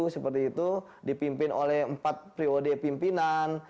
seperti itu dipimpin oleh empat priode pimpinan